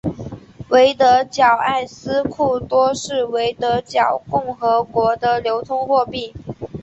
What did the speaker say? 维德角埃斯库多是维德角共和国的流通货币。